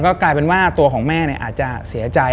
ก็กลายเป็นว่าตัวของแม่อาจจะเสียใจ